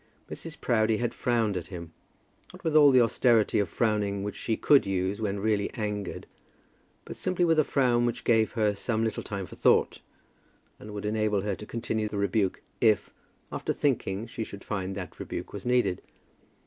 Mrs. Proudie had frowned at him, not with all the austerity of frowning which she could use when really angered, but simply with a frown which gave her some little time for thought, and would enable her to continue the rebuke if, after thinking, she should find that rebuke was needed.